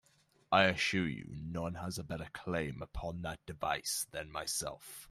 I assure you, none has a better claim upon that device than myself.